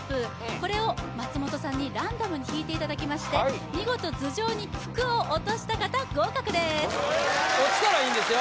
これを松本さんにランダムに引いていただきまして見事頭上に福を落とした方合格です落ちたらいいんですよ